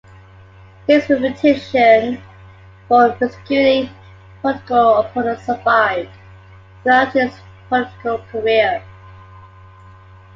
His reputation for persecuting political opponents survived throughout his political career.